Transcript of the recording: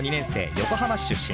横浜市出身。